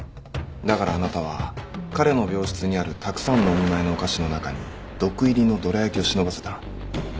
だからあなたは彼の病室にあるたくさんのお見舞いのお菓子の中に毒入りのどら焼きを忍ばせた。